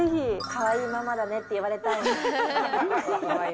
かわいいママだねって言われたいな。